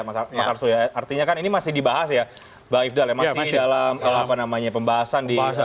mas arsul ya artinya kan ini masih dibahas ya mbak ifdal ya masih dalam pembahasan di